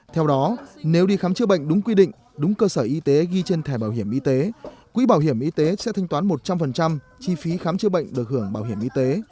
theo đó nếu đi khám chữa bệnh đúng quy định đúng cơ sở y tế ghi trên thẻ bảo hiểm y tế quỹ bảo hiểm y tế sẽ thanh toán một trăm linh chi phí khám chữa bệnh được hưởng bảo hiểm y tế